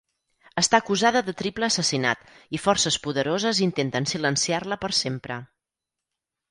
Està acusada de triple assassinat i forces poderoses intenten silenciar-la per sempre.